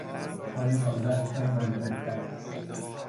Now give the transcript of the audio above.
چای تازه از چای مانده بهتر است.